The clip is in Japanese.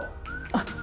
あっ！